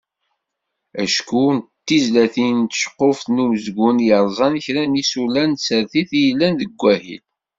Acku d tizlatin d tceqquft n umezgun i yerẓan kra n yisula n tsertit i yellan deg wahil.